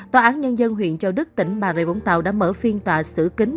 tòa án nhân dân huyện châu đức tỉnh bà rịa vũng tàu đã mở phiên tòa xử kính